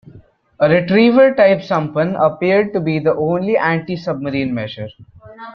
A retriever type sampan appeared to be the only antisubmarine measure.